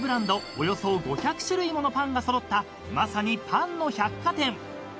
およそ５００種類ものパンが揃ったまさにパンの百貨店］